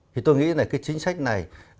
thì tôi nghĩ là cái chính sách này